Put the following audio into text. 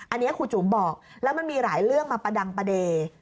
อันนี้ครูจุ๋มบอกแล้วมันมีหลายเรื่องมาประดังประเด็น